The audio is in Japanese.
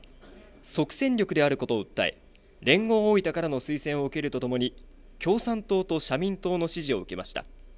即戦力であることを訴え連合大分からの推薦を受けるとともに共産党と社民党の支持を受けました。